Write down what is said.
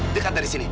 dekat dari sini